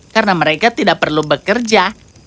karena mereka tidak perlu bekerja